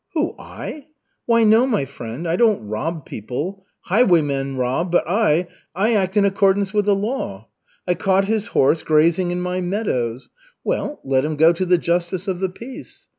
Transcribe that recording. "Who, I? Why, no, my friend, I don't rob people; highwaymen rob, but I I act in accordance with the law. I caught his horse grazing in my meadows well, let him go to the justice of the peace.